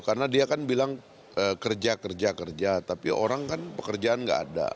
karena dia kan bilang kerja kerja kerja tapi orang kan pekerjaan nggak ada